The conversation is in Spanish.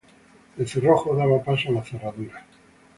El "cerrojo" daba paso a la "cerradura".